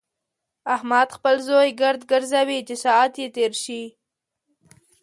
احمد خپل زوی ګرد ګرځوي چې ساعت يې تېر شي.